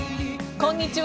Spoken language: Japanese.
こんにちは。